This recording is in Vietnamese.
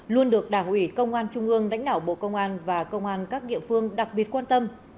luôn được đảng ủy công an trung ương lãnh đạo bộ công an và công an các địa phương đặc biệt quan tâm